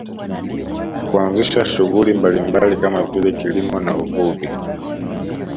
Kuanzisha shughuli mbalimbali kama vile kilimo na uvuvi